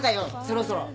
そろそろ。